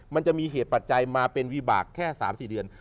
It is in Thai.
มันจะมีเหตุปัจจัยมาเป็นวิบากแค่๓๔เดือน